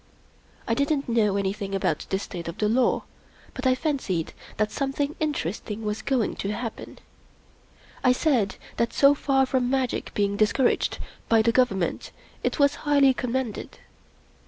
I didn't know anything about the state of the law; but I fancied that something interest ing was going to happen. I said that so far from magic being discouraged by the Government it was highly com mended.